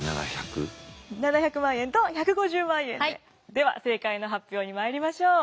では正解の発表にまいりましょう。